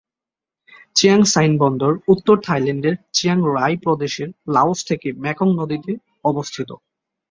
Chiang Saen বন্দর উত্তর থাইল্যান্ডের চিয়াং রাই প্রদেশের লাওস থেকে মেকং নদীতে অবস্থিত।